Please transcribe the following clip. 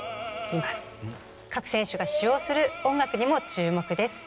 各選手が使用する音楽にも注目です。